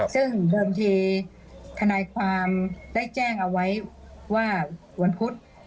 ซึ่งเดิมทีทนายความได้แจ้งเอาไว้ว่าวันพุธ